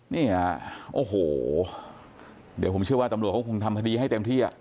เนี่ยโอ้โหเดี๋ยวผมเชื่อว่าตำรวจเขาคงทำคดีให้เต็มที่อ่ะ